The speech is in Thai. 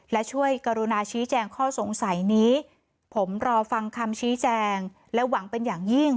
และช่วยกรุณาชี้แจงข้อสงสัยนี้ผมรอฟังคำชี้แจงและหวังเป็นอย่างยิ่ง